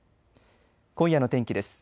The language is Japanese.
今夜の天気です。